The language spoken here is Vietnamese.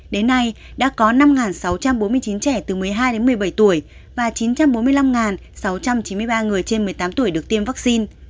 đến nay đã có năm sáu trăm bốn mươi chín trẻ từ một mươi hai đến một mươi bảy tuổi và chín trăm bốn mươi năm sáu trăm chín mươi ba người trên một mươi tám tuổi được tiêm vaccine